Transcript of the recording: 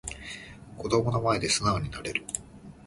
子供の前で素直になれる